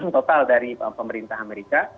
total dari pemerintah amerika